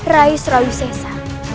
rai surawi sesa